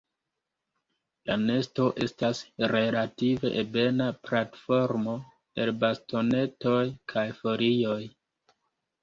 La nesto estas relative ebena platformo el bastonetoj kaj folioj.